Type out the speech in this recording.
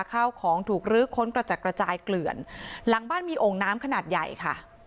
ข้าวของถูกลื้อค้นกระจัดกระจายเกลื่อนหลังบ้านมีโอ่งน้ำขนาดใหญ่ค่ะ